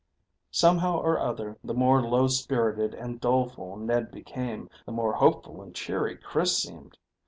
Somehow or other, the more low spirited and doleful Ned became, the more hopeful and cheery Chris seemed.